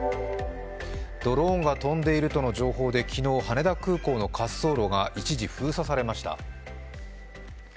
ドローンが飛んでいるとの情報で昨日、羽田空港の滑走路が一時、封鎖されました。